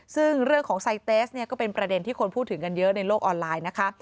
ซึ่งเรื่องของไซเตสเนี่ยก็เป็นประเด็นที่คนพูดถึงกันเยอะในโลกออนไลน์นะคะ